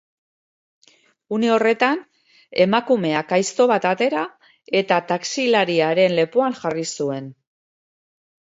Une horretan, emakumeak aizto bat atera eta taxilariaren lepoan jarri zuen.